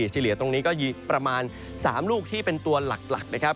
เฉลี่ยตรงนี้ก็ประมาณ๓ลูกที่เป็นตัวหลักนะครับ